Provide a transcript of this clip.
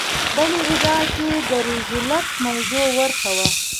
بلې ادعا کې د روزولټ موضوع ورته وه.